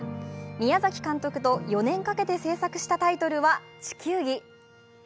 宮崎監督と４年かけて制作したタイトルは「地球儀」。